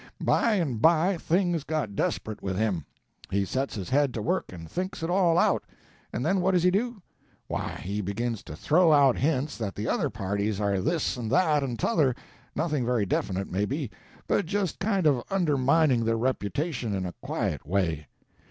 By and by things got desperate with him; he sets his head to work and thinks it all out, and then what does he do? Why, he begins to throw out hints that the other parties are this and that and t'other nothing very definite, maybe, but just kind of undermining their reputation in a quiet way.